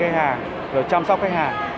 cách hàng rồi chăm sóc khách hàng